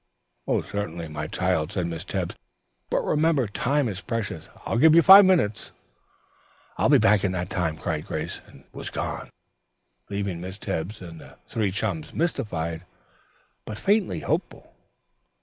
"Certainly, my child," said Miss Tebbs, "but remember time is precious. I'll give you five minutes, but if " "I'll be back in that time," cried Grace, and was gone, leaving Miss Tebbs and the three chums mystified but faintly hopeful.